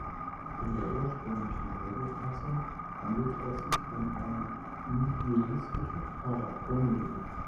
In der ursprünglichen Drehbuchfassung handelte es sich um eine nihilistische Horrorkomödie.